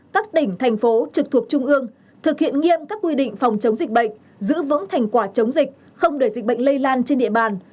các tỉnh thành phố trực thuộc trung ương thực hiện nghiêm các quy định phòng chống dịch bệnh giữ vững thành quả chống dịch không để dịch bệnh lây lan trên địa bàn